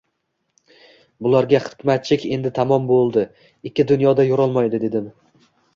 Bularga Hikmatchik endi tamom boʻldi, ikki dunyoda yurolmaydi, dedim.